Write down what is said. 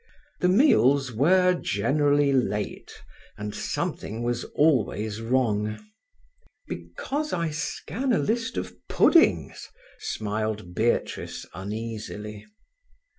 The meals were generally late, and something was always wrong. "Because I scan a list of puddings?" smiled Beatrice uneasily.